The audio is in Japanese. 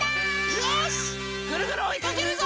よしぐるぐるおいかけるぞ！